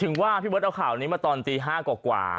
ถึงว่าพี่เบิร์ตเอาข่าวนี้มาตอนตี๕กว่า